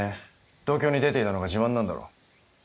東京に出ていたのが自慢なんだろ？